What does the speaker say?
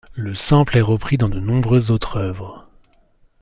Le sample est repris dans de nombreuses autres œuvres.